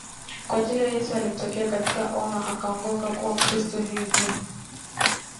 kwa ajili hiyo Yesu alimtokea katika ono akaongoka kuwa Mkristo Hivyo